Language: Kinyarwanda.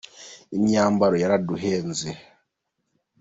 imyambaro yaraduhenze.